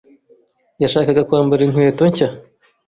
yashakaga kwambara inkweto nshya.